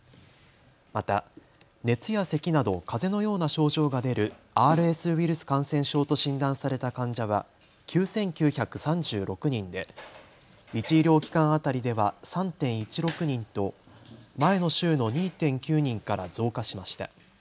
また熱やせきなど、かぜのような症状が出るＲＳウイルス感染症と診断された患者は９９３６人で１医療機関当たりでは３．１６人と、前の週の２．９人から増加しました。